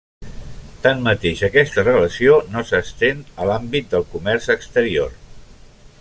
Tanmateix, aquesta relació no s'estén a l'àmbit del comerç exterior.